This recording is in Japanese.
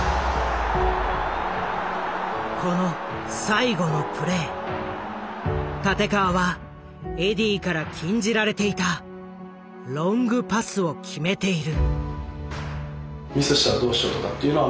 この最後のプレー立川はエディーから禁じられていたロングパスを決めている。